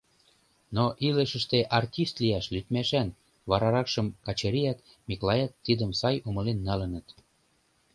Но илышыште артист лияш лӱдмашан, вараракшым Качырият, Миклаят тидым сай умылен налыныт.